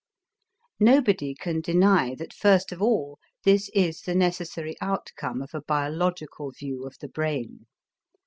Nobody can deny that first of all this is the necessary outcome of a biological view of the brain.